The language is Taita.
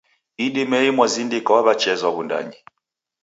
Idimei mwazindika waw'echezwa Wundanyi.